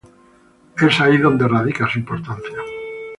Es ahí donde radica su importancia.